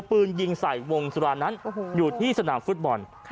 ปืนยิงใส่วงสุรานั้นอยู่ที่สนามฟุตบอล